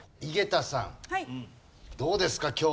井桁さんどうですか？